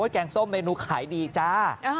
แกงส้มเมนูขายดีจ้า